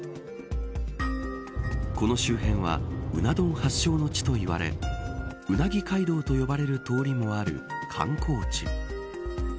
この周辺はうな丼発祥の地と言われうなぎ街道と呼ばれる通りもある観光地。